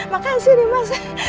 makasih nih mas